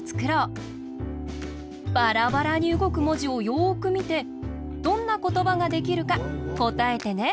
バラバラにうごくもじをよくみてどんなことばができるかこたえてね。